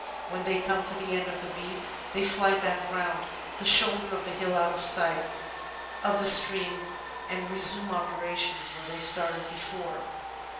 When they come to the end of the beat, they fly back round the shoulder of the hill out of sight of the stream and resume operations where they started before.